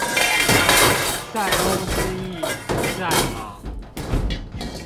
塞翁之意不在馬